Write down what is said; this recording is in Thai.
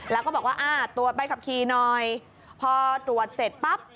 แล้วก็บอกว่าอ่าตรวจใบขับขี่หน่อยพอตรวจเสร็จปั๊บ